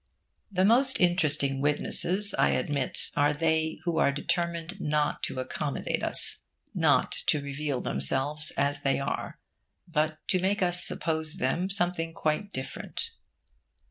The most interesting witnesses, I admit, are they who are determined not to accommodate us not to reveal themselves as they are, but to make us suppose them something quite different.